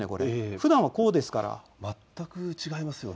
ふだんはこうですから、全く違いますよね。